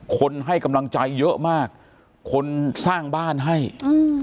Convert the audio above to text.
คนให้กำลังใจเยอะมากคนสร้างบ้านให้อืม